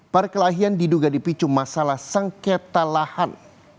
perkelahian diduga dipicu masalah sengketa lahan